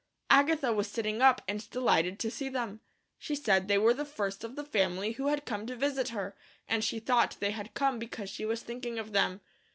Agatha was sitting up and delighted to see them. She said they were the first of the family who had come to visit her, and she thought they had come because she was thinking of them.